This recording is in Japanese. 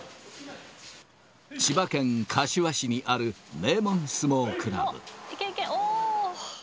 千葉県柏市にある名門相撲クいけいけ、おー。